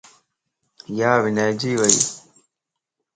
ياوڃائيجي ويئيَ